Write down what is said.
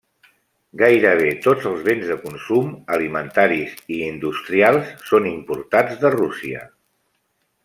Gairebé tots els béns de consum, alimentaris i industrials són importats de Rússia.